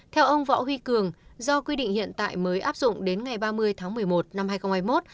theo ông võ huy cường do quy định hiện tại mới áp dụng đến ngày ba mươi tháng một mươi một năm hai nghìn hai mươi một